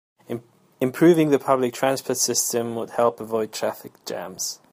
Improving the public transport system would help avoid traffic jams.